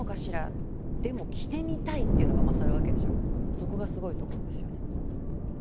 そこがすごいところですよね